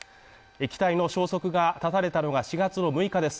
機体の消息が出されたのが４月の６日です